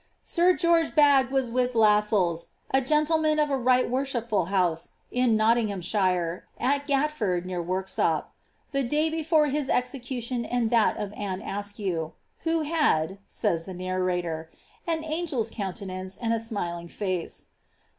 Sir (George Blagge was with Lascells (a gentleman of a right worshipful house in Notting hamshire, at Gatford, near Worksop) the day before his execution and that of Anne Askew, ^ who had," says the narrator, '^ an angel's coun tenance, and a smiling face."